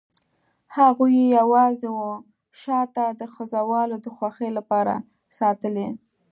هغوی یې یوازې وه شاته د خزهوالو د خوښۍ لپاره ساتلي.